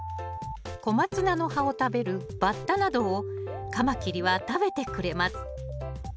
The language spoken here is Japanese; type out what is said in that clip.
コマツナの葉を食べるバッタなどをカマキリは食べてくれます